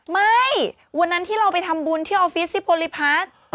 ไม่วันนั้นที่เราไปทำบุญที่ออฟฟิศที่โพลิพาส